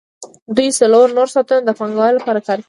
دوی څلور نور ساعتونه د پانګوال لپاره کار کاوه